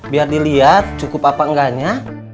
biar dilihat cukup apa enggaknya